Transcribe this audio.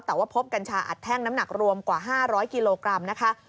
แต่ว่าพบกัญชาอัดแท่งน้ำหนักรวมกว่า๕๐๐กิโลกรัมนะคะ